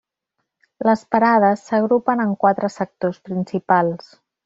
Les parades s'agrupen en quatre sectors principals.